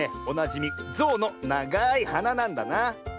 おなじみゾウのながいはななんだな。